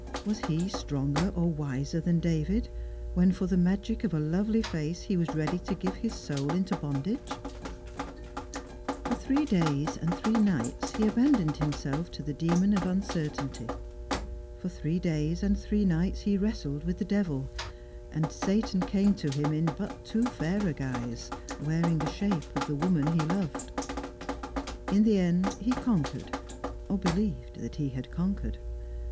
Was he stronger or wiser than David, when for the magic of a lovely face he was ready to give his sovl into bondage ? For three days and three nights he abandoned himself to the demon of uncertainty ; for three days and three nights he wrestled with the devil, and Satan came to him in but too fair a guise, wearing the shape of the woman he loved. In the end he conquered, or believed that he had conquered.